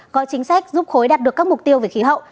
có chính sách giúp khối đạt được các mục tiêu về khí hậu